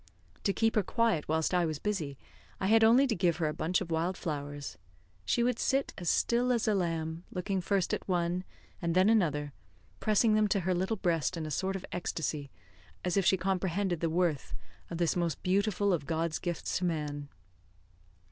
To keep her quiet whilst I was busy, I had only to give her a bunch of wild flowers. She would sit as still as a lamb, looking first at one and then another, pressing them to her little breast in a sort of ecstacy, as if she comprehended the worth of this most beautiful of God's gifts to man.